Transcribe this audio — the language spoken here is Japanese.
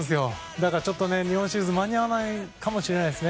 だから、ちょっと日本シリーズ間に合わないかもしれないです。